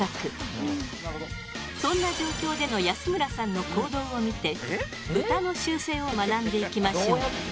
そんな状況での安村さんの行動を見てブタの習性を学んでいきましょう。